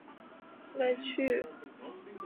朱买臣人。